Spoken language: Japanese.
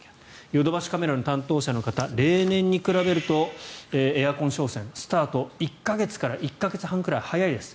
ヨドバシカメラの担当者の方例年に比べるとエアコン商戦スタート、１か月から１か月半くらい早いです。